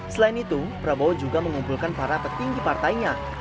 selain itu prabowo juga mengumpulkan para petinggi partainya